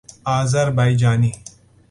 Azerbaijani